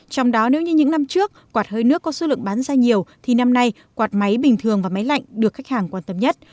trong đó nếu như những năm trước quạt hơi nước có số lượng bán ra nhiều thì năm nay quạt máy bình thường và máy lạnh được khách hàng quan tâm nhất